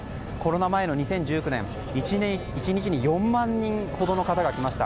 コロナ前の２０１９年１日に４万人ほどの方が来ました。